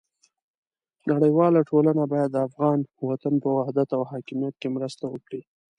نړیواله ټولنه باید د افغان وطن په وحدت او حاکمیت کې مرسته وکړي.